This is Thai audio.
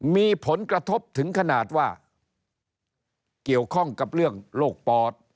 มีผลกระทบถึงขนาดว่าเกี่ยวข้องกับเรื่องโรคปอด